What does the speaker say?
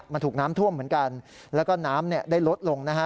มันถูกน้ำท่วมเหมือนกันแล้วก็น้ำได้ลดลงนะฮะ